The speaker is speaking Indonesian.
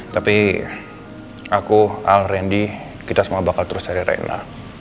tapi aku al rendy kita semua bakal terus cari reina